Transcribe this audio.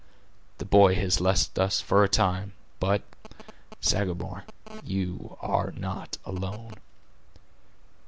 The boy has left us for a time; but, Sagamore, you are not alone."